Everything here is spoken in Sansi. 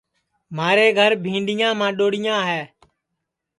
مھارے گھر بھِینڈؔیاں ماڈؔوڑیاں ہے